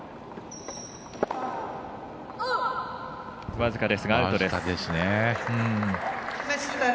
僅かですが、アウトです。